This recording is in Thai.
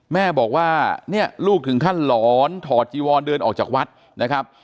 แม่บอกว่าเนี่ยลูกถึงขั้นหลอนถอดจีวอนเดินออกจากวัดนะครับ